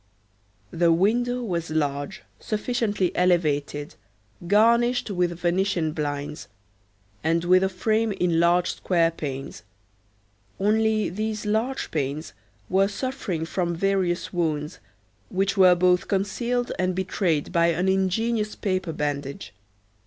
The window was large, sufficiently elevated, garnished with Venetian blinds, and with a frame in large square panes; only these large panes were suffering from various wounds, which were both concealed and betrayed by an ingenious paper bandage.